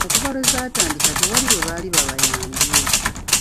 Okuva lwe zaatandika tewali lwe baali babayambye